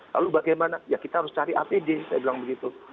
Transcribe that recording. lalu bagaimana ya kita harus cari apd saya bilang begitu